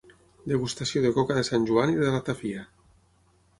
Degustació de coca de Sant Joan i de ratafia.